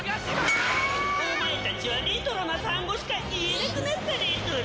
お前たちはレトロな単語しか言えなくなったレトロ。